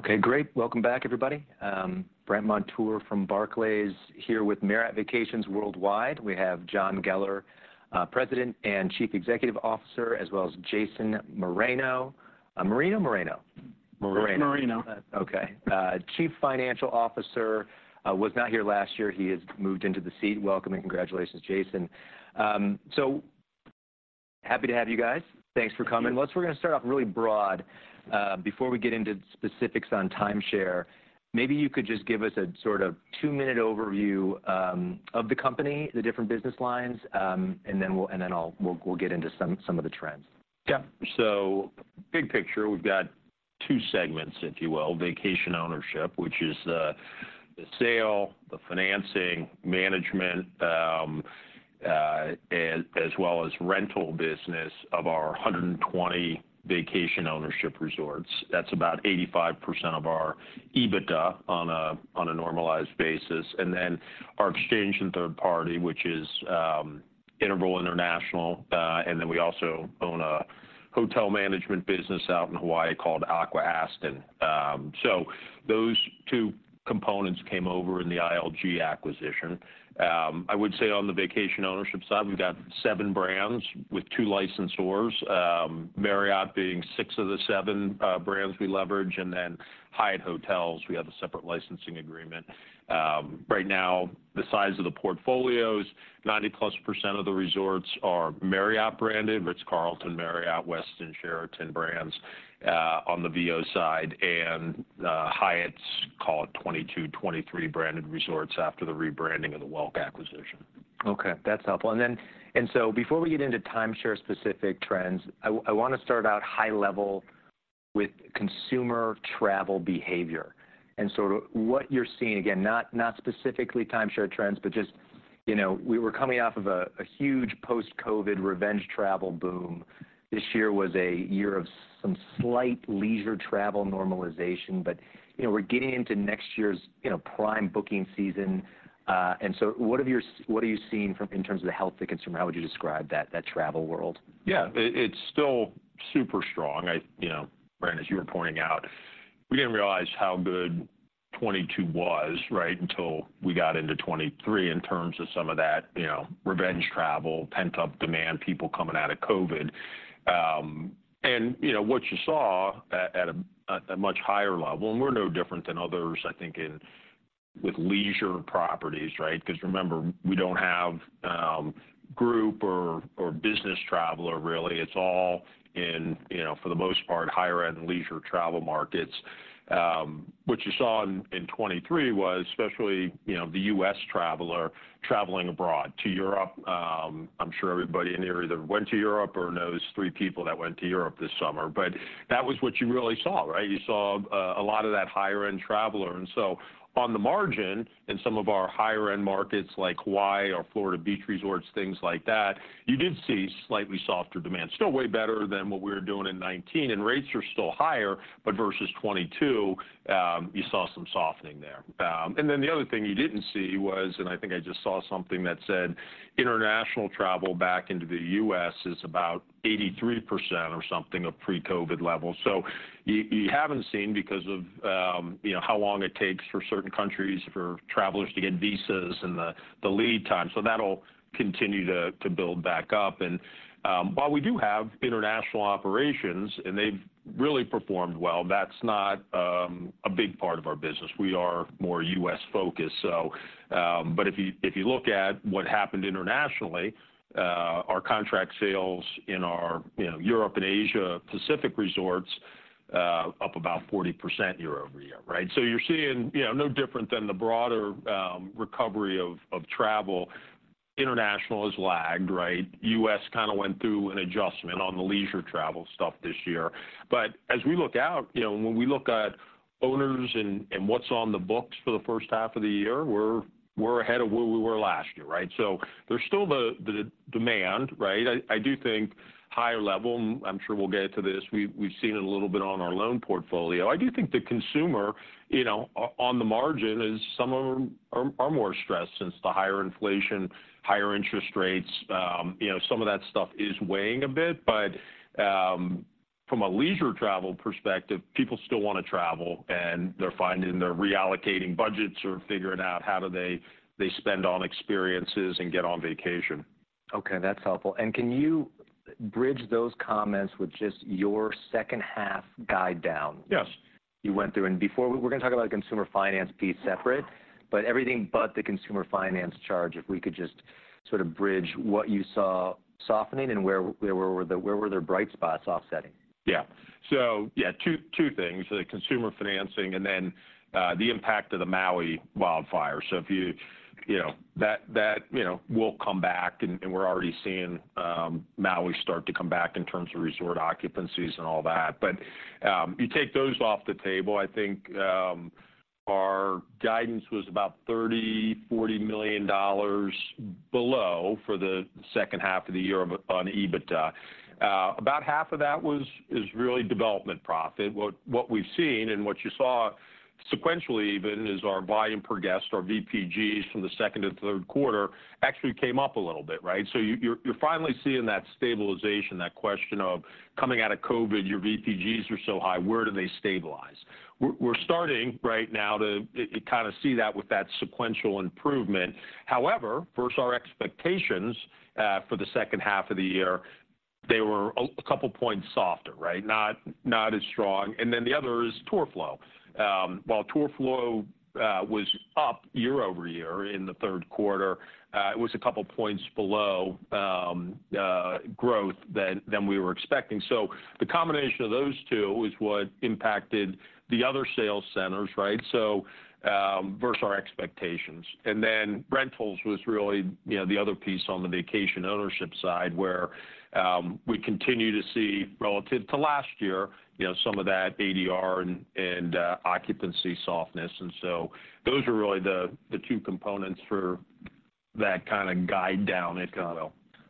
Okay, great. Welcome back, everybody. Brandt Montour from Barclays, here with Marriott Vacations Worldwide. We have John Geller, President and Chief Executive Officer, as well as Jason Marino. Marino. Marino. Okay. Chief Financial Officer was not here last year. He has moved into the seat. Welcome and congratulations, Jason. So happy to have you guys. Thanks for coming. Thank you. Well, so we're gonna start off really broad. Before we get into specifics on timeshare, maybe you could just give us a sort of two-minute overview of the company, the different business lines, and then we'll get into some of the trends. Yeah. So big picture, we've got two segments, if you will. Vacation ownership, which is the sale, the financing, management, as well as rental business of our 120 vacation ownership resorts. That's about 85% of our EBITDA on a normalized basis. And then our exchange and third-party, which is Interval International, and then we also own a hotel management business out in Hawaii called Aqua-Aston. So those two components came over in the ILG acquisition. I would say on the vacation ownership side, we've got seven brands with two licensors, Marriott being six of the seven brands we leverage, and then Hyatt Hotels, we have a separate licensing agreement. Right now, the size of the portfolios, 90%+ of the resorts are Marriott branded, Ritz-Carlton, Marriott, Westin, Sheraton brands, on the VO side, and Hyatt's call it 22, 23 branded resorts after the rebranding of the Welk acquisition. Okay, that's helpful. And then and so before we get into timeshare-specific trends, I wanna start out high level with consumer travel behavior, and sort of what you're seeing. Again, not specifically timeshare trends, but just, you know, we were coming off of a huge post-COVID revenge travel boom. This year was a year of some slight leisure travel normalization, but, you know, we're getting into next year's, you know, prime booking season. And so what are you seeing in terms of the health of the consumer? How would you describe that travel world? Yeah, it's still super strong. You know, Brandt, as you were pointing out, we didn't realize how good 2022 was, right, until we got into 2023, in terms of some of that, you know, revenge travel, pent-up demand, people coming out of COVID. And, you know, what you saw at a much higher level, and we're no different than others, I think, in with leisure properties, right? Because remember, we don't have group or business traveler really. It's all in, you know, for the most part, higher-end leisure travel markets. What you saw in 2023 was especially, you know, the U.S. traveler traveling abroad to Europe. I'm sure everybody in here either went to Europe or knows three people that went to Europe this summer, but that was what you really saw, right? You saw a lot of that higher-end traveler. And so on the margin, in some of our higher-end markets, like Hawaii or Florida beach resorts, things like that, you did see slightly softer demand. Still way better than what we were doing in 2019, and rates are still higher, but versus 2022, you saw some softening there. And then the other thing you didn't see was, and I think I just saw something that said international travel back into the U.S. is about 83% or something of pre-COVID levels. So you haven't seen because of, you know, how long it takes for certain countries, for travelers to get visas and the lead time. So that'll continue to build back up. And while we do have international operations, and they've really performed well, that's not a big part of our business. We are more U.S. focused. So, but if you, if you look at what happened internationally, our contract sales in our, you know, Europe and Asia Pacific resorts, up about 40% year-over-year, right? So you're seeing, you know, no different than the broader, recovery of, of travel. International has lagged, right? U.S. kind of went through an adjustment on the leisure travel stuff this year. But as we look out, you know, when we look at owners and, and what's on the books for the first half of the year, we're, we're ahead of where we were last year, right? So there's still the, the demand, right? I, I do think higher level, and I'm sure we'll get to this, we've seen it a little bit on our loan portfolio. I do think the consumer, you know, on the margin, some of them are more stressed since the higher inflation, higher interest rates, you know, some of that stuff is weighing a bit. But from a leisure travel perspective, people still wanna travel, and they're finding... They're reallocating budgets or figuring out how they spend on experiences and get on vacation. Okay, that's helpful. Can you bridge those comments with just your second half guidance down? Yes. You went through... And before, we're gonna talk about consumer finance piece separate, but everything but the consumer finance charge, if we could just sort of bridge what you saw softening and where, where were the, where were there bright spots offsetting? Yeah. So yeah, two things, the consumer financing and then the impact of the Maui wildfire. So if you know that will come back, and we're already seeing Maui start to come back in terms of resort occupancies and all that. But you take those off the table, I think our guidance was about $30-$40 million below for the second half of the year on EBITDA. About half of that is really development profit. What we've seen and what you saw sequentially even is our volume per guest, our VPGs from the second to third quarter actually came up a little bit, right? So you're finally seeing that stabilization, that question of coming out of COVID, your VPGs are so high, where do they stabilize? We're starting right now to kind of see that with that sequential improvement. However, versus our expectations, for the second half of the year, they were a couple points softer, right? Not as strong. And then the other is tour flow. While tour flow was up year-over-year in the third quarter, it was a couple points below growth than we were expecting. So the combination of those two is what impacted the other sales centers, right? So versus our expectations. And then rentals was really, you know, the other piece on the vacation ownership side, where we continue to see relative to last year, you know, some of that ADR and occupancy softness. And so those are really the two components for that kind of guide down.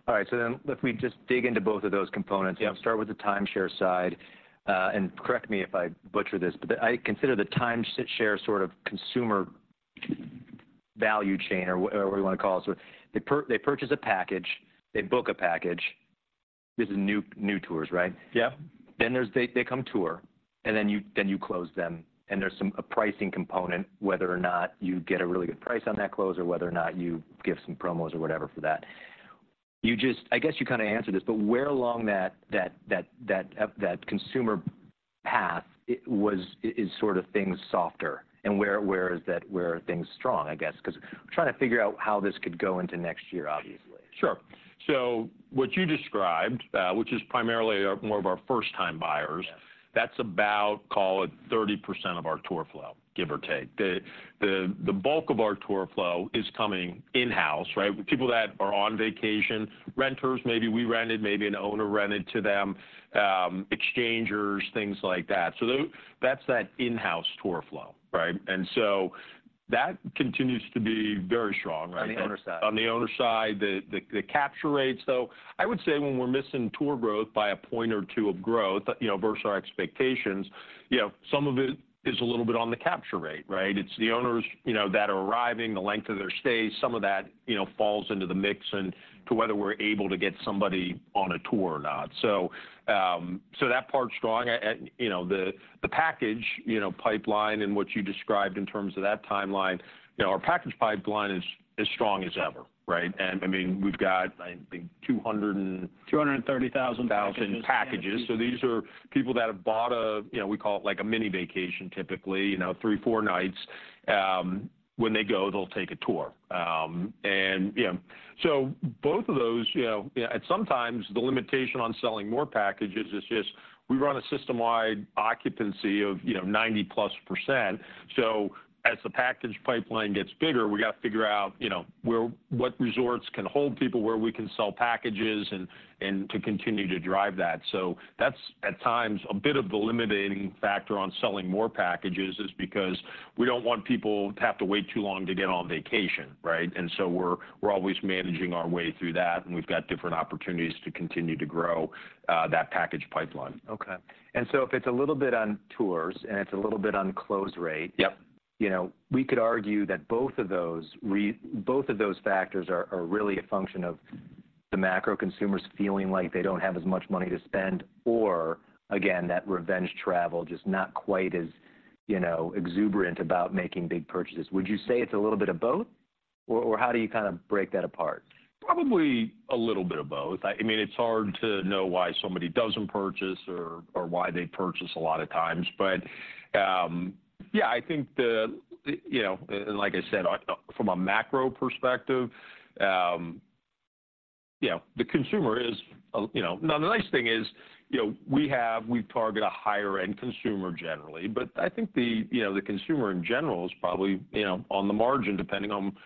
All right, so then if we just dig into both of those components- Yeah. Start with the timeshare side, and correct me if I butcher this, but I consider the timeshare sort of consumer value chain or whatever you want to call it. So they purchase a package, they book a package. This is new tours, right? Yeah. Then there's they come tour, and then you close them, and there's a pricing component, whether or not you get a really good price on that close or whether or not you give some promos or whatever for that. You just, I guess you kind of answered this, but where along that consumer path is sort of things softer, and where are things strong, I guess? Because I'm trying to figure out how this could go into next year, obviously. Sure. So what you described, which is primarily more of our first-time buyers- Yes... that's about, call it 30% of our tour flow, give or take. The bulk of our tour flow is coming in-house, right? People that are on vacation, renters, maybe we rented, maybe an owner rented to them, exchangers, things like that. So that's that in-house tour flow, right? And so that continues to be very strong, right? On the owner side. On the owner side, the capture rates, though, I would say when we're missing tour growth by a point or two of growth, you know, versus our expectations, you know, some of it is a little bit on the capture rate, right? It's the owners, you know, that are arriving, the length of their stay, some of that, you know, falls into the mix and to whether we're able to get somebody on a tour or not. So, so that part's strong. You know, the package, you know, pipeline and what you described in terms of that timeline, you know, our package pipeline is as strong as ever, right? And I mean, we've got, I think, 200 and- 230,000 packages. thousand packages. So these are people that have bought a, you know, we call it like a mini vacation, typically, you know, three, four nights. When they go, they'll take a tour. And yeah. So both of those, you know. And sometimes the limitation on selling more packages is just we run a system-wide occupancy of, you know, 90%+. So as the package pipeline gets bigger, we got to figure out, you know, where—what resorts can hold people, where we can sell packages and, and to continue to drive that. So that's, at times, a bit of the limiting factor on selling more packages is because we don't want people to have to wait too long to get on vacation, right? And so we're, we're always managing our way through that, and we've got different opportunities to continue to grow, that package pipeline. Okay. And so if it's a little bit on tours and it's a little bit on close rate- Yep... you know, we could argue that both of those factors are really a function of the macro consumers feeling like they don't have as much money to spend, or again, that revenge travel just not quite as, you know, exuberant about making big purchases. Would you say it's a little bit of both, or how do you kind of break that apart? Probably a little bit of both. I mean, it's hard to know why somebody doesn't purchase or why they purchase a lot of times. But yeah, I think the, you know, and like I said, from a macro perspective, you know, the consumer is, you know. Now, the nice thing is, you know, we have—we target a higher-end consumer generally, but I think the, you know, the consumer, in general, is probably, you know, on the margin, depending on,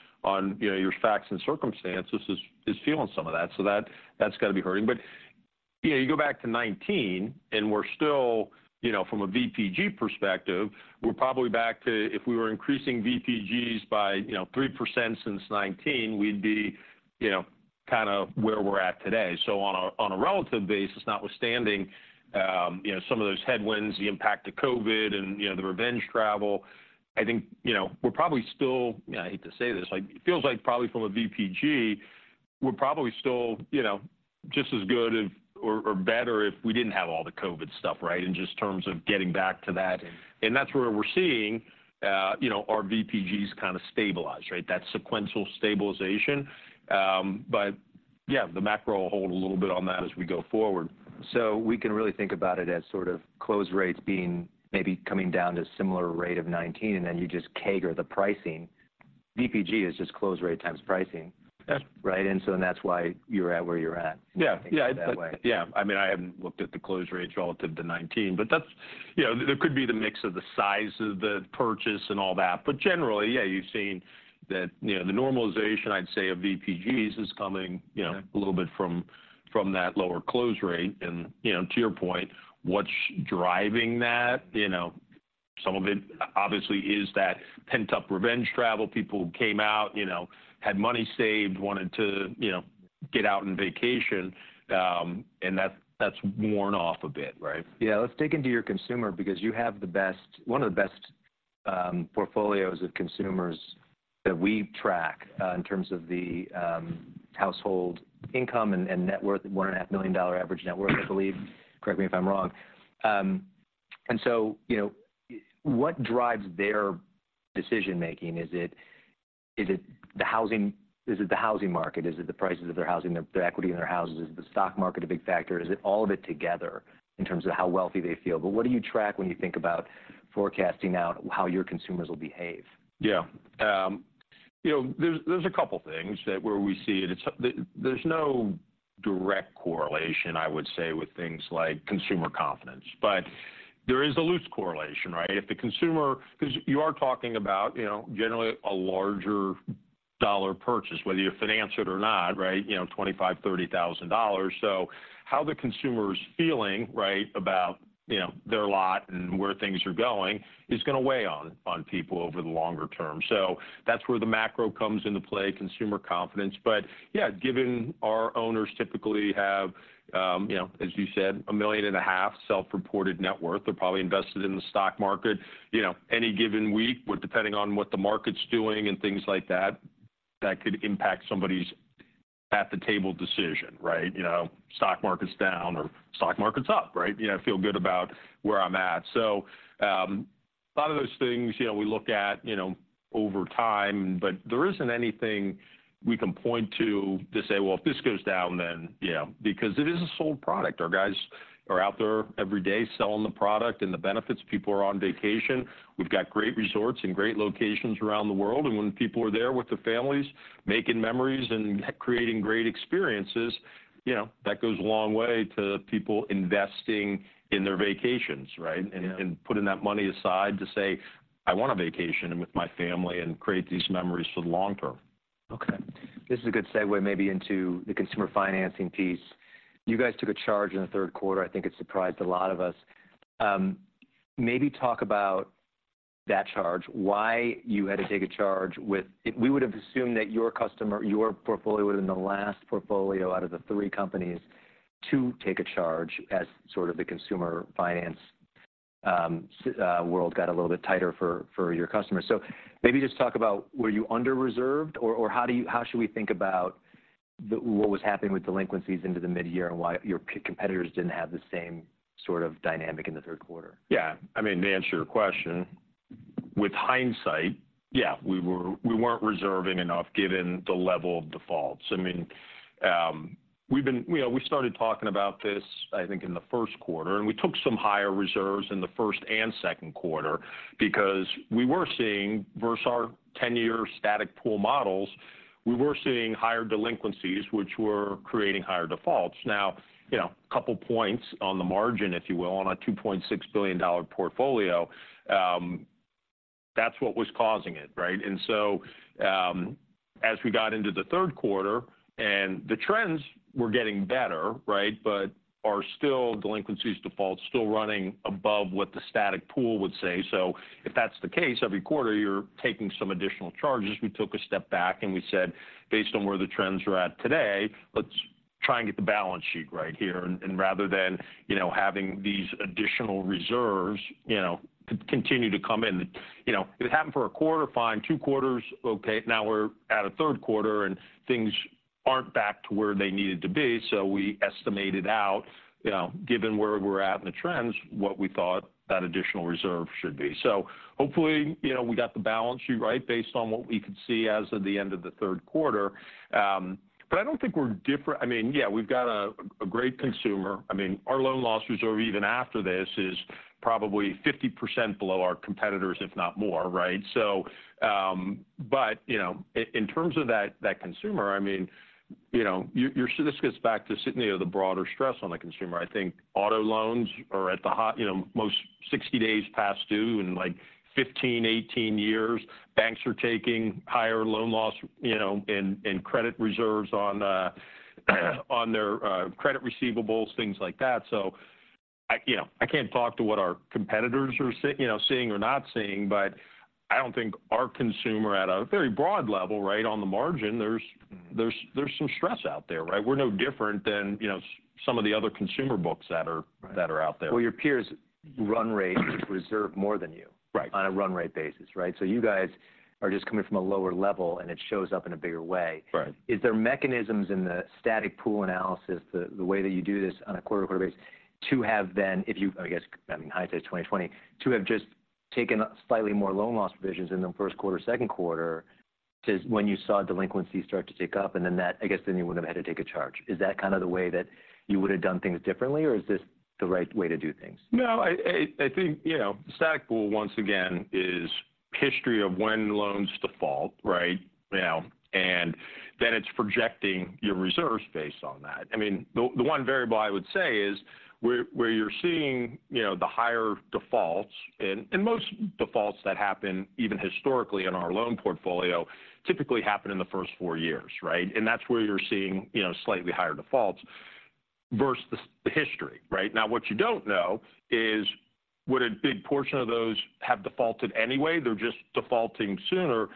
you know, your facts and circumstances, is feeling some of that, so that's got to be hurting. But yeah, you go back to 2019, and we're still, you know, from a VPG perspective, we're probably back to if we were increasing VPGs by, you know, 3% since 2019, we'd be, you know, kind of where we're at today. So on a relative basis, notwithstanding, you know, some of those headwinds, the impact of COVID and, you know, the revenge travel, I think, you know, we're probably still, you know, I hate to say this, like, it feels like probably from a VPG, we're probably still, you know, just as good as or, or better if we didn't have all the COVID stuff, right? In just terms of getting back to that. Yeah. And that's where we're seeing, you know, our VPGs kind of stabilize, right? That sequential stabilization. But yeah, the macro will hold a little bit on that as we go forward. So we can really think about it as sort of close rates being maybe coming down to a similar rate of 19, and then you just CAGR the pricing. VPG is just close rate times pricing. Yeah. Right? And so that's why you're at where you're at. Yeah. Yeah, that way. Yeah. I mean, I haven't looked at the close rates relative to 2019, but that's, you know, there could be the mix of the size of the purchase and all that. But generally, yeah, you've seen that, you know, the normalization, I'd say, of VPGs is coming- Yeah... you know, a little bit from that lower close rate. You know, to your point, what's driving that? You know, some of it obviously is that pent-up revenge travel. People came out, you know, had money saved, wanted to, you know, get out and vacation, and that's worn off a bit, right? Yeah. Let's dig into your consumer because you have the best—one of the best, portfolios of consumers that we track, in terms of the household income and net worth, $1.5 million average net worth, I believe. Correct me if I'm wrong. And so, you know, what drives their decision making? Is it, is it the housing—is it the housing market? Is it the prices of their housing, their equity in their houses? Is the stock market a big factor? Is it all of it together in terms of how wealthy they feel? But what do you track when you think about forecasting out how your consumers will behave? Yeah. You know, there's a couple things that where we see it. It's the, there's no direct correlation, I would say, with things like consumer confidence, but there is a loose correlation, right? If the consumer... 'Cause you are talking about, you know, generally a larger dollar purchase, whether you finance it or not, right? You know, $25,000-$30,000. So how the consumer is feeling, right, about, you know, their lot and where things are going, is gonna weigh on, on people over the longer term. So that's where the macro comes into play, consumer confidence. But yeah, given our owners typically have, you know, as you said, $1.5 million self-reported net worth, they're probably invested in the stock market. You know, any given week, with depending on what the market's doing and things like that, that could impact somebody's at-the-table decision, right? You know, stock market's down or stock market's up, right? You know, I feel good about where I'm at. So, a lot of those things, you know, we look at, you know, over time, but there isn't anything we can point to, to say, Well, if this goes down, then, you know, because it is a sold product. Our guys are out there every day selling the product and the benefits. People are on vacation. We've got great resorts and great locations around the world, and when people are there with their families, making memories and creating great experiences, you know, that goes a long way to people investing in their vacations, right? Yeah. Putting that money aside to say, I want to vacation with my family and create these memories for the long term. Okay, this is a good segue maybe into the consumer financing piece. You guys took a charge in the third quarter. I think it surprised a lot of us. Maybe talk about that charge, why you had to take a charge with... We would have assumed that your customer, your portfolio was in the last portfolio out of the three companies to take a charge as sort of the consumer finance world got a little bit tighter for, for your customers. So maybe just talk about, were you under-reserved, or, or how do you, how should we think about the, what was happening with delinquencies into the midyear and why your competitors didn't have the same sort of dynamic in the third quarter? Yeah. I mean, to answer your question, with hindsight, yeah, we were- we weren't reserving enough given the level of defaults. I mean, we've been... You know, we started talking about this, I think, in the first quarter, and we took some higher reserves in the first and second quarter because we were seeing, versus our 10-year static pool models, we were seeing higher delinquencies, which were creating higher defaults. Now, you know, a couple points on the margin, if you will, on a $2.6 billion portfolio, that's what was causing it, right? And so, as we got into the third quarter and the trends were getting better, right, but are still delinquencies, defaults, still running above what the static pool would say. So if that's the case, every quarter, you're taking some additional charges. We took a step back and we said, Based on where the trends are at today, let's try and get the balance sheet right here, and rather than, you know, having these additional reserves, you know, continue to come in. You know, it happened for a quarter, fine. Two quarters, okay. Now we're at a third quarter, and things aren't back to where they needed to be, so we estimated out, you know, given where we're at in the trends, what we thought that additional reserve should be. So hopefully, you know, we got the balance sheet right based on what we could see as of the end of the third quarter. But I don't think we're different. I mean, yeah, we've got a great consumer. I mean, our loan loss reserve, even after this, is probably 50% below our competitors, if not more, right? So, but, you know, in terms of that, that consumer, I mean, you know, your... So this gets back to side of the broader stress on the consumer. I think auto loans are at the high, you know, most 60 days past due in, like, 15, 18 years. Banks are taking higher loan loss, you know, in credit reserves on, on their, credit receivables, things like that. So I, you know, I can't talk to what our competitors are seeing you know, seeing or not seeing, but I don't think our consumer, at a very broad level, right on the margin, there's- Mm-hmm... there's some stress out there, right? We're no different than, you know, some of the other consumer books that are- Right... that are out there. Well, your peers run rate reserve more than you- Right... on a run rate basis, right? So you guys are just coming from a lower level, and it shows up in a bigger way. Right. Is there mechanisms in the static pool analysis, the way that you do this on a quarter-over-quarter basis, to have then, if you... I guess, I mean, hindsight is 20/20, to have just taken slightly more loan loss provisions in the first quarter, second quarter, to when you saw delinquencies start to tick up, and then that, I guess, then you wouldn't have had to take a charge. Is that kind of the way that you would have done things differently, or is this the right way to do things? No, I think, you know, static pool, once again, is history of when loans default, right? You know, and then it's projecting your reserves based on that. I mean, the one variable I would say is where you're seeing, you know, the higher defaults, and most defaults that happen even historically in our loan portfolio, typically happen in the first four years, right? And that's where you're seeing, you know, slightly higher defaults... versus the history, right? Now, what you don't know is, would a big portion of those have defaulted anyway? They're just defaulting sooner.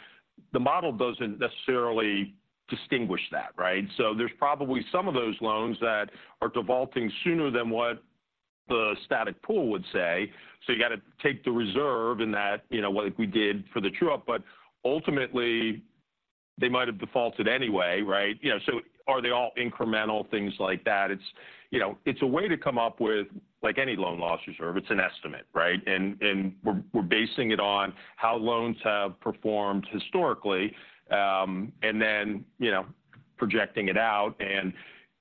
The model doesn't necessarily distinguish that, right? So there's probably some of those loans that are defaulting sooner than what the static pool would say. So you gotta take the reserve in that, you know, like we did for the true up, but ultimately, they might have defaulted anyway, right? You know, so are they all incremental, things like that? It's, you know, it's a way to come up with, like any loan loss reserve, it's an estimate, right? And we're basing it on how loans have performed historically, and then, you know, projecting it out. And,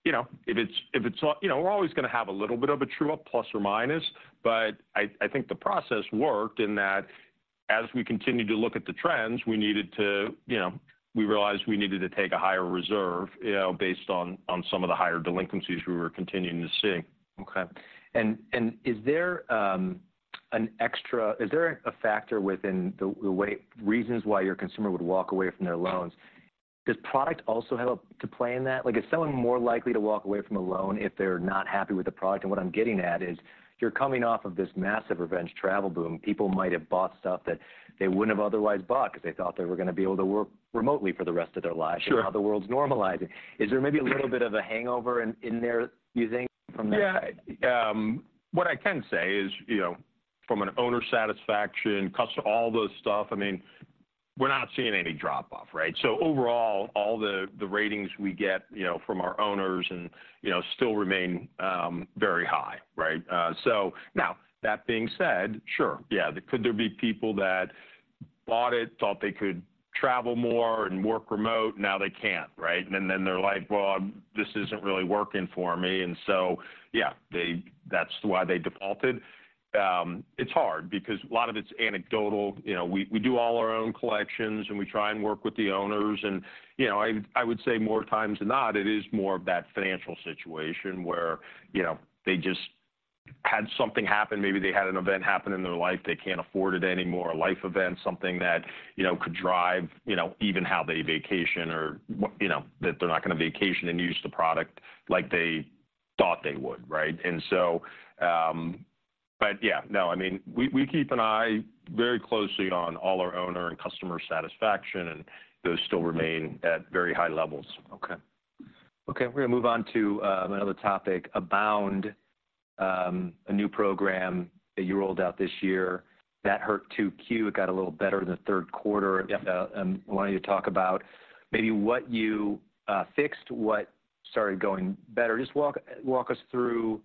you know, if it's not, you know, we're always gonna have a little bit of a true up, plus or minus, but I think the process worked in that as we continued to look at the trends, we needed to, you know, we realized we needed to take a higher reserve, you know, based on some of the higher delinquencies we were continuing to see. Okay. Is there a factor within the reasons why your consumer would walk away from their loans? Does product also have a role to play in that? Like, is someone more likely to walk away from a loan if they're not happy with the product? And what I'm getting at is, you're coming off of this massive revenge travel boom. People might have bought stuff that they wouldn't have otherwise bought because they thought they were gonna be able to work remotely for the rest of their lives. Sure. Now the world's normalizing. Is there maybe a little bit of a hangover in, in there, do you think, from that? Yeah. What I can say is, you know, from an owner satisfaction cost, all those stuff, I mean, we're not seeing any drop off, right? So overall, all the ratings we get, you know, from our owners and, you know, still remain very high, right? So now, that being said, sure, yeah. Could there be people that bought it, thought they could travel more and work remote, now they can't, right? And then they're like, Well, this isn't really working for me. And so, yeah, they - that's why they defaulted. It's hard because a lot of it's anecdotal. You know, we do all our own collections, and we try and work with the owners and, you know, I would say more times than not, it is more of that financial situation where, you know, they just had something happen. Maybe they had an event happen in their life, they can't afford it anymore. A life event, something that, you know, could drive, you know, even how they vacation or you know, that they're not gonna vacation and use the product like they thought they would, right? And so, But yeah, no, I mean, we keep an eye very closely on all our owner and customer satisfaction, and those still remain at very high levels. Okay. Okay, we're gonna move on to another topic, Abound, a new program that you rolled out this year. That hurt 2Q. It got a little better in the third quarter. Yeah. I wanted to talk about maybe what you fixed, what started going better. Just walk us through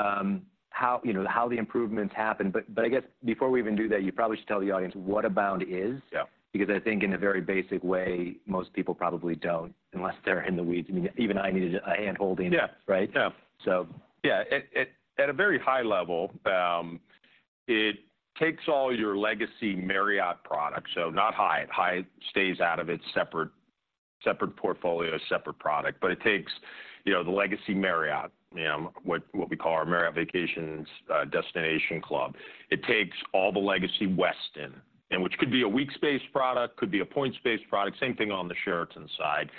how, you know, how the improvements happened. But I guess before we even do that, you probably should tell the audience what Abound is. Yeah. Because I think in a very basic way, most people probably don't, unless they're in the weeds. I mean, even I needed a hand holding. Yeah. Right? Yeah. So. Yeah. At a very high level, it takes all your legacy Marriott products, so not Hyatt. Hyatt stays out of it, separate, separate portfolio, separate product. But it takes, you know, the legacy Marriott, you know, what we call our Marriott Vacations Destination Club. It takes all the legacy Westin, and which could be a weeks-based product, could be a points-based product, same thing on the Sheraton side.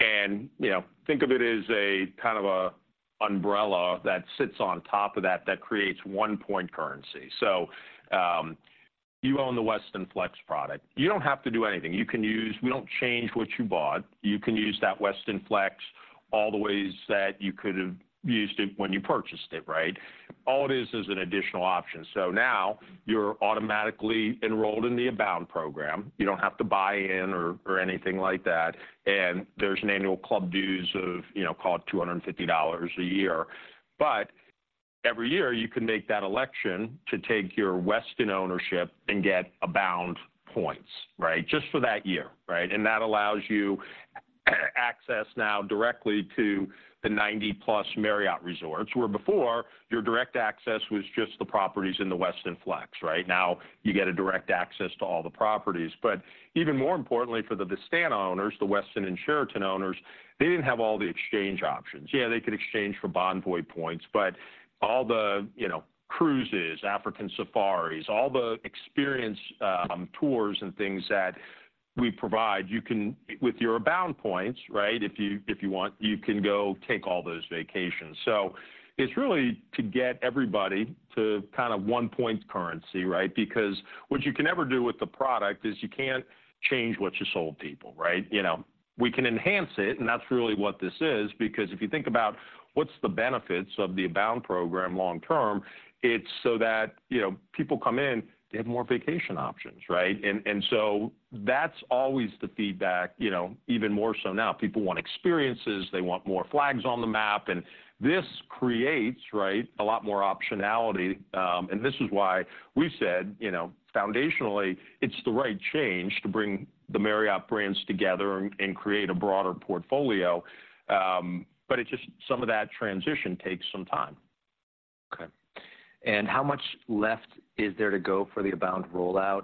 And, you know, think of it as a kind of umbrella that sits on top of that, that creates one point currency. So, you own the Westin Flex product. You don't have to do anything. You can use... We don't change what you bought. You can use that Westin Flex all the ways that you could have used it when you purchased it, right? All it is, is an additional option. So now you're automatically enrolled in the Abound program. You don't have to buy in or, or anything like that. And there's an annual club dues of, you know, call it $250 a year. But every year, you can make that election to take your Westin ownership and get Abound points, right? Just for that year, right? And that allows you access now directly to the 90+ Marriott Resorts, where before, your direct access was just the properties in the Westin Flex, right? Now, you get a direct access to all the properties. But even more importantly for the Vistana owners, the Westin and Sheraton owners, they didn't have all the exchange options. Yeah, they could exchange for Bonvoy points, but all the, you know, cruises, African safaris, all the experience, tours and things that we provide, you can, with your Abound points, right, if you, if you want, you can go take all those vacations. So it's really to get everybody to kind of one point currency, right? Because what you can never do with the product is you can't change what you sold people, right? You know, we can enhance it, and that's really what this is. Because if you think about what's the benefits of the Abound program long term, it's so that, you know, people come in, they have more vacation options, right? And, and so that's always the feedback, you know, even more so now. People want experiences, they want more flags on the map, and this creates, right, a lot more optionality. and this is why we said, you know, foundationally, it's the right change to bring the Marriott brands together and create a broader portfolio. But it's just some of that transition takes some time. Okay. And how much left is there to go for the Abound rollout?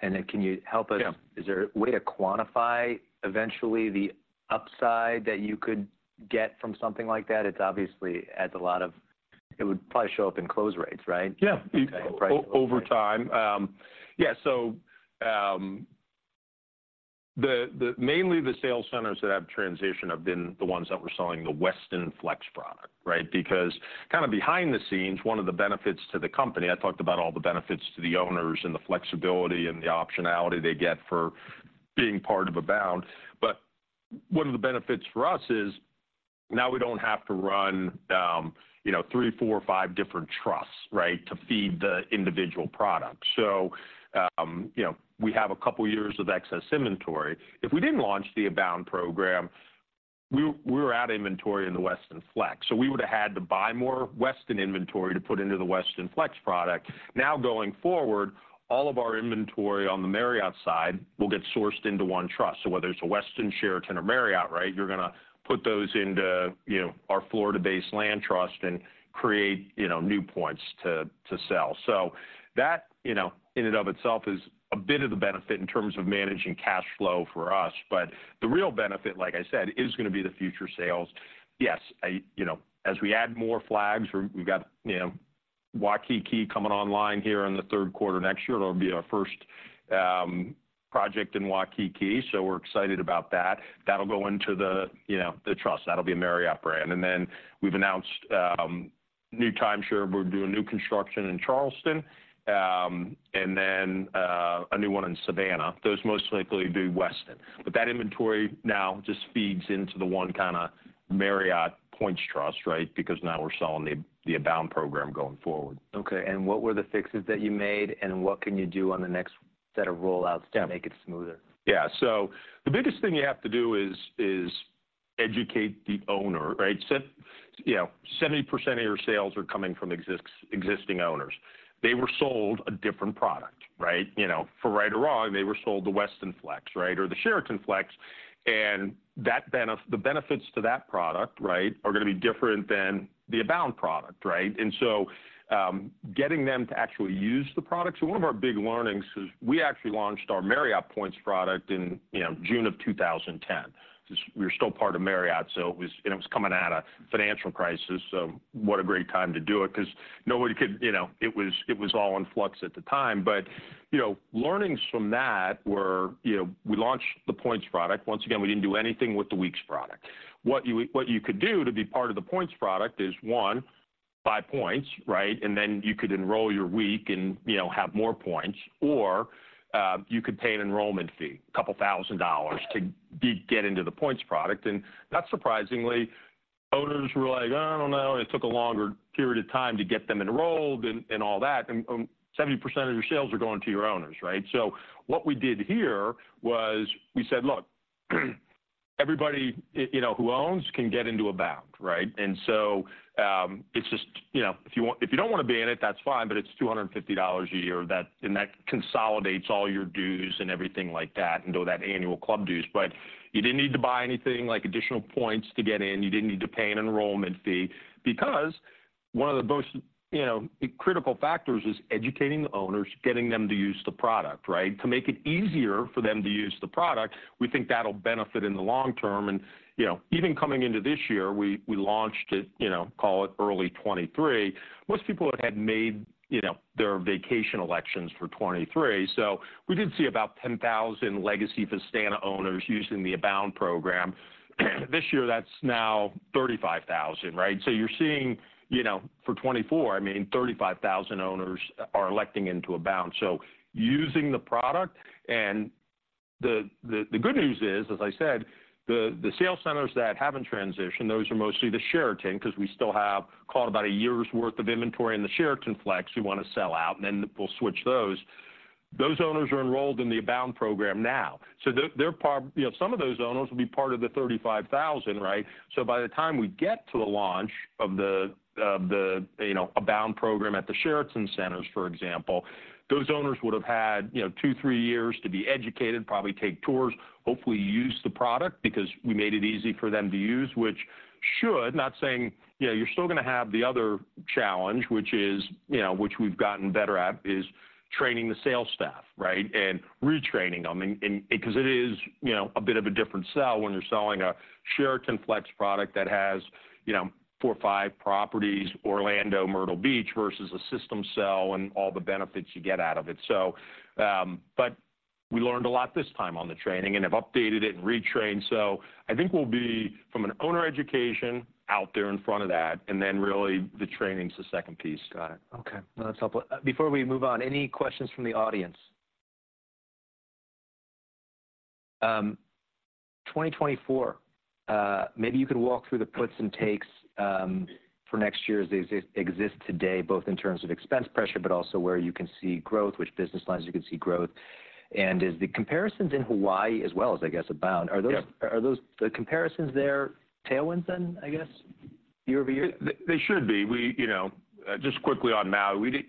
And then can you help us- Yeah. Is there a way to quantify eventually the upside that you could get from something like that? It's obviously adds a lot of... It would probably show up in close rates, right? Yeah. Okay. Over time. Yeah, so mainly the sales centers that have transitioned have been the ones that were selling the Westin Flex product, right? Because kind of behind the scenes, one of the benefits to the company, I talked about all the benefits to the owners and the flexibility and the optionality they get for being part of Abound. But one of the benefits for us is now we don't have to run, you know, three, four, or five different trusts, right, to feed the individual product. So, you know, we have a couple of years of excess inventory. If we didn't launch the Abound program, we were out of inventory in the Westin Flex, so we would have had to buy more Westin inventory to put into the Westin Flex product. Now, going forward, all of our inventory on the Marriott side will get sourced into one trust. So whether it's a Westin, Sheraton, or Marriott, right, you're gonna put those into, you know, our Florida-based land trust and create, you know, new points to sell. So that, you know, in and of itself is a bit of the benefit in terms of managing cash flow for us. But the real benefit, like I said, is gonna be the future sales. Yes, I—you know, as we add more flags, we're—we've got, you know, Waikiki coming online here in the third quarter next year. It'll be our first project in Waikiki, so we're excited about that. That'll go into the, you know, the trust. That'll be a Marriott brand. And then we've announced new timeshare. We're doing new construction in Charleston, and then a new one in Savannah. Those most likely do Westin. But that inventory now just feeds into the one kind of Marriott points trust, right? Because now we're selling the Abound program going forward. Okay, and what were the fixes that you made, and what can you do on the next set of rollouts? Yeah. to make it smoother? Yeah. So the biggest thing you have to do is educate the owner, right? You know, 70% of your sales are coming from existing owners. They were sold a different product, right? You know, for right or wrong, they were sold the Westin Flex, right, or the Sheraton Flex, and the benefits to that product, right, are gonna be different than the Abound product, right? And so, getting them to actually use the product. So one of our big learnings is we actually launched our Marriott Points product in, you know, June of 2010. We were still part of Marriott, so it was, and it was coming out of financial crisis, so what a great time to do it, 'cause nobody could you know, it was all in flux at the time. But, you know, learnings from that were, you know, we launched the points product. Once again, we didn't do anything with the weeks product. What you could do to be part of the points product is, one, buy points, right? And then you could enroll your week and, you know, have more points, or you could pay an enrollment fee, a couple thousand dollars, to get into the points product. And not surprisingly, owners were like, I don't know. It took a longer period of time to get them enrolled and all that, and 70% of your sales are going to your owners, right? So what we did here was we said, Look, everybody, you know, who owns can get into Abound, right? And so, it's just... You know, if you don't want to be in it, that's fine, but it's $250 a year, that, and that consolidates all your dues and everything like that, and though that annual club dues. But you didn't need to buy anything like additional points to get in. You didn't need to pay an enrollment fee because one of the most, you know, critical factors is educating the owners, getting them to use the product, right? To make it easier for them to use the product, we think that'll benefit in the long term. And, you know, even coming into this year, we, we launched it, you know, call it early 2023. Most people had made, you know, their vacation elections for 2023, so we did see about 10,000 legacy Vistana owners using the Abound program. This year, that's now 35,000, right? So you're seeing, you know, for 24, I mean, 35,000 owners are electing into Abound. So using the product, and the good news is, as I said, the sales centers that haven't transitioned, those are mostly the Sheraton, 'cause we still have call it about a year's worth of inventory in the Sheraton Flex we wanna sell out, and then we'll switch those. Those owners are enrolled in the Abound program now. So they're part of—you know, some of those owners will be part of the 35,000, right? So by the time we get to the launch of the Abound program at the Sheraton centers, for example, those owners would have had, you know, 2, 3 years to be educated, probably take tours, hopefully use the product because we made it easy for them to use, which should, not saying... You know, you're still gonna have the other challenge, which is, you know, which we've gotten better at, is training the sales staff, right? And retraining them in 'cause it is, you know, a bit of a different sell when you're selling a Sheraton Flex product that has, you know, four or five properties, Orlando, Myrtle Beach, versus a system sell and all the benefits you get out of it. So, but we learned a lot this time on the training and have updated it and retrained. So I think we'll be, from an owner education, out there in front of that, and then really the training is the second piece. Got it. Okay, well, that's helpful. Before we move on, any questions from the audience? 2024, maybe you could walk through the puts and takes for next year as they exist today, both in terms of expense pressure, but also where you can see growth, which business lines you can see growth. And the comparisons in Hawaii as well as, I guess, Abound- Yeah. Are those the comparisons? Are there tailwinds then, I guess, year-over-year? They should be. We, you know, just quickly on Maui,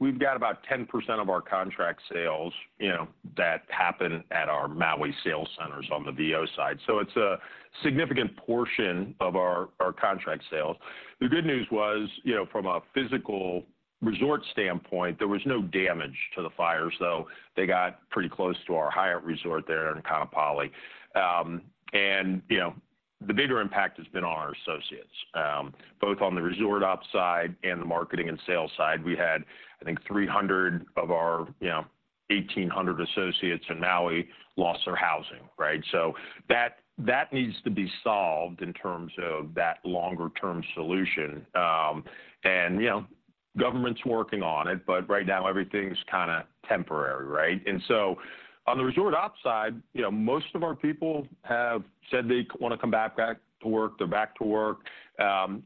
we've got about 10% of our contract sales, you know, that happen at our Maui sales centers on the VO side. So it's a significant portion of our contract sales. The good news was, you know, from a physical resort standpoint, there was no damage to the fires, though they got pretty close to our Hyatt resort there in Kaanapali. And the bigger impact has been on our associates, both on the resort op side and the marketing and sales side. We had, I think, 300 of our, you know, 1,800 associates in Maui lost their housing, right? So that needs to be solved in terms of that longer-term solution. And you know, government's working on it, but right now everything's kind of temporary, right? And so on the resort op side, you know, most of our people have said they wanna come back, back to work, they're back to work.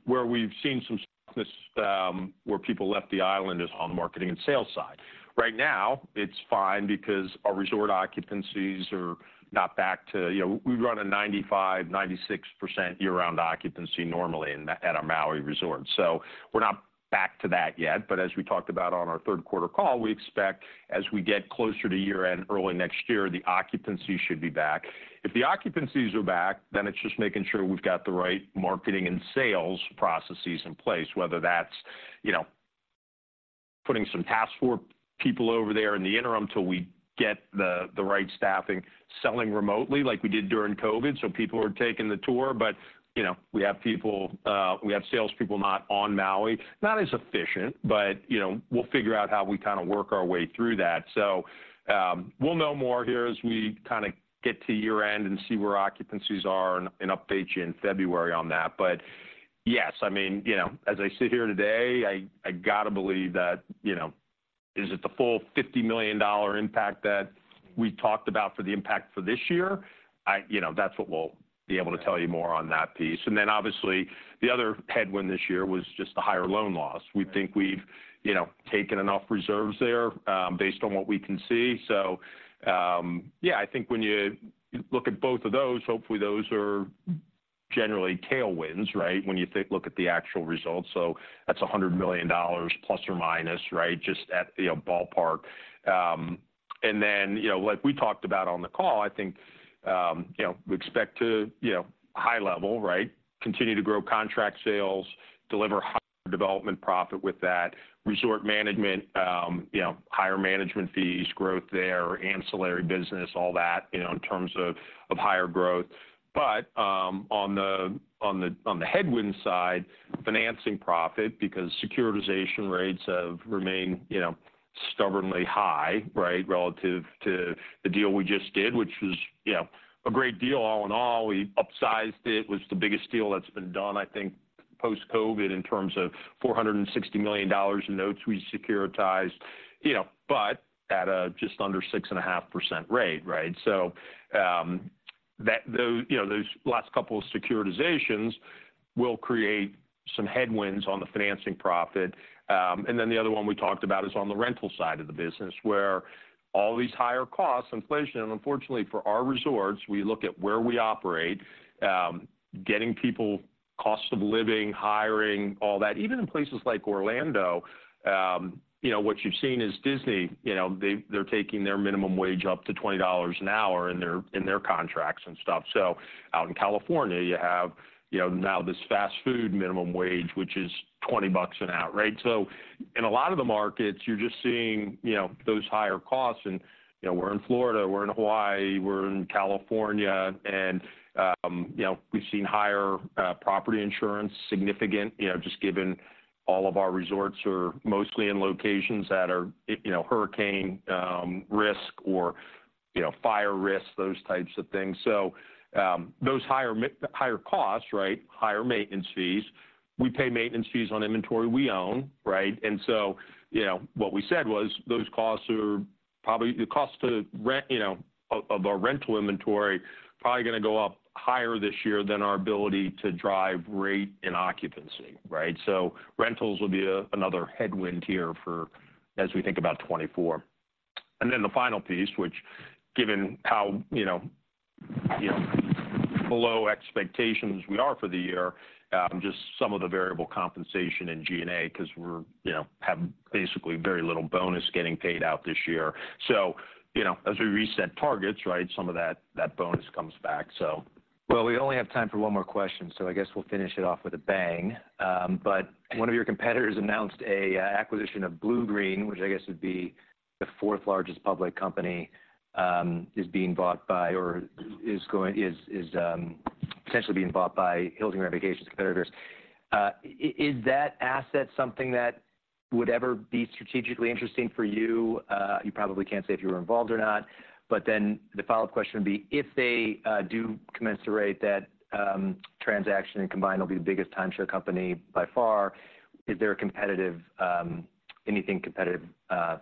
Where we've seen some softness, where people left the island is on the marketing and sales side. Right now, it's fine because our resort occupancies are not back to... You know, we run a 95%-96% year-round occupancy normally in that at our Maui resort. So we're not back to that yet, but as we talked about on our third quarter call, we expect as we get closer to year-end, early next year, the occupancy should be back. If the occupancies are back, then it's just making sure we've got the right marketing and sales processes in place, whether that's, you know, putting some task force people over there in the interim till we get the, the right staffing, selling remotely like we did during COVID, so people are taking the tour. But, you know, we have people, we have sales people not on Maui. Not as efficient, but, you know, we'll figure out how we kind of work our way through that. So, we'll know more here as we kind of get to year-end and see where occupancies are and, and update you in February on that. But yes, I mean, you know, as I sit here today, I, I gotta believe that, you know, is it the full $50 million impact that we talked about for the impact for this year? You know, that's what we'll be able to tell you more on that piece. And then obviously, the other headwind this year was just the higher loan loss. We think we've, you know, taken enough reserves there, based on what we can see. So, yeah, I think when you look at both of those, hopefully, those are generally tailwinds, right? When you look at the actual results. So that's $100 million ±, right? Just at, you know, ballpark. And then, you know, like we talked about on the call, I think, you know, we expect to, you know, high level, right, continue to grow contract sales, deliver high development profit with that, resort management, you know, higher management fees, growth there, ancillary business, all that, you know, in terms of higher growth. But on the headwind side, financing profit, because securitization rates have remained, you know, stubbornly high, right, relative to the deal we just did, which was, you know, a great deal all in all. We upsized it. It was the biggest deal that's been done, I think, post-COVID, in terms of $460 million in notes we securitized, you know, but at a just under 6.5% rate, right? So, you know, those last couple of securitizations will create some headwinds on the financing profit. And then the other one we talked about is on the rental side of the business, where all these higher costs, inflation, unfortunately for our resorts, we look at where we operate, getting people cost of living, hiring, all that, even in places like Orlando, you know, what you've seen is Disney, you know, they, they're taking their minimum wage up to $20 an hour in their, in their contracts and stuff. So out in California, you have, you know, now this fast food minimum wage, which is $20 an hour, right? So in a lot of the markets, you're just seeing, you know, those higher costs. You know, we're in Florida, we're in Hawaii, we're in California, and, you know, we've seen higher property insurance, significant, you know, just given all of our resorts are mostly in locations that are, you know, hurricane risk or, you know, fire risk, those types of things. So, those higher costs, right, higher maintenance fees, we pay maintenance fees on inventory we own, right? And so, you know, what we said was those costs are probably the cost to, you know, of our rental inventory, probably gonna go up higher this year than our ability to drive rate and occupancy, right? So rentals will be another headwind here for as we think about 2024. And then the final piece, which, given how, you know, you know, below expectations we are for the year, just some of the variable compensation in G&A, because we're, you know, have basically very little bonus getting paid out this year. So, you know, as we reset targets, right, some of that, that bonus comes back, so. Well, we only have time for one more question, so I guess we'll finish it off with a bang. But one of your competitors announced a acquisition of Bluegreen, which I guess would be the fourth largest public company, is being bought by or is potentially being bought by Hilton Grand Vacations competitors. Is that asset something that would ever be strategically interesting for you? You probably can't say if you were involved or not, but then the follow-up question would be: If they do consummate that transaction and, combined, will be the biggest timeshare company by far, is there a competitive anything competitive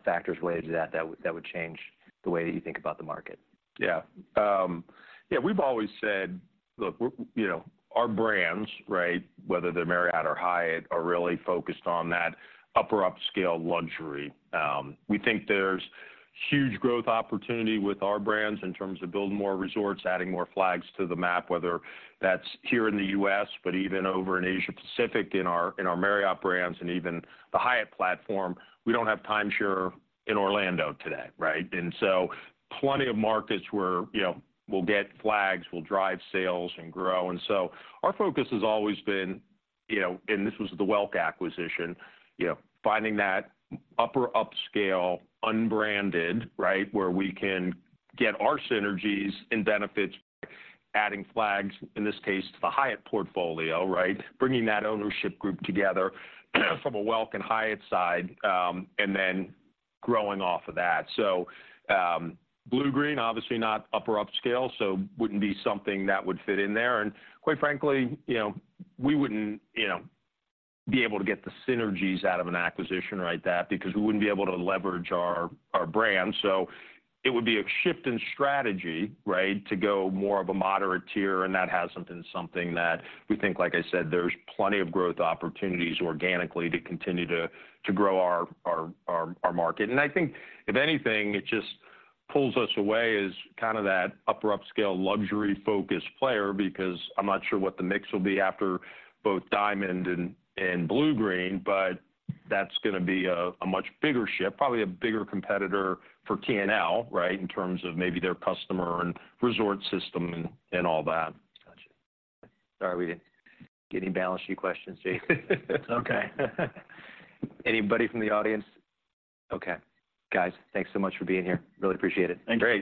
factors related to that that would change the way that you think about the market? Yeah. Yeah, we've always said, look, we're, you know, our brands, right, whether they're Marriott or Hyatt, are really focused on that upper upscale luxury. We think there's huge growth opportunity with our brands in terms of building more resorts, adding more flags to the map, whether that's here in the U.S., but even over in Asia Pacific, in our Marriott brands and even the Hyatt platform. We don't have timeshare in Orlando today, right? And so plenty of markets where, you know, we'll get flags, we'll drive sales and grow. And so our focus has always been, you know, and this was the Welk acquisition, you know, finding that upper upscale, unbranded, right, where we can get our synergies and benefits, adding flags, in this case, to the Hyatt portfolio, right? Bringing that ownership group together from a Welk and Hyatt side, and then growing off of that. So, Bluegreen, obviously not upper upscale, so wouldn't be something that would fit in there. And quite frankly, you know, we wouldn't, you know, be able to get the synergies out of an acquisition like that because we wouldn't be able to leverage our, our brand. So it would be a shift in strategy, right, to go more of a moderate tier, and that hasn't been something that we think, like I said, there's plenty of growth opportunities organically to continue to, to grow our, our, our, our market. I think if anything, it just pulls us away as kind of that upper upscale, luxury-focused player, because I'm not sure what the mix will be after both Diamond and Bluegreen, but that's gonna be a much bigger ship, probably a bigger competitor for TNL, right, in terms of maybe their customer and resort system and all that. Gotcha. Sorry, we didn't get any balance sheet questions, Jason. It's okay. Anybody from the audience? Okay. Guys, thanks so much for being here. Really appreciate it. Thank you.